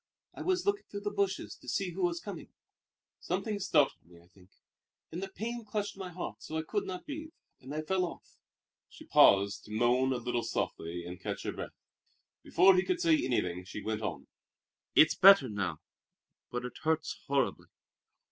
"I was looking through the bushes to see who was coming. Something startled me, I think; and the pain clutched at my heart so I could not breathe, and I fell off." She paused, to moan a little softly and catch her breath. Before he could say anything she went on: "It's better now, but it hurts horribly."